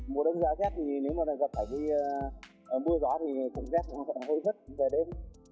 mùa đông gió rét thì nếu mà phải mua gió thì cũng rét cũng hơi rất về đêm